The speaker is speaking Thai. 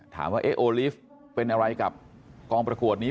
ทำวิทยาลัยสุขภาพด้วยแล้วก็การประกวดด้วย